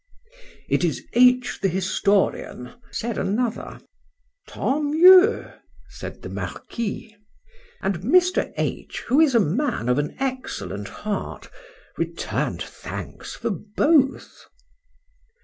It is H— the historian, said another,—Tant mieux, said the marquis. And Mr. H—, who is a man of an excellent heart, return'd thanks for both.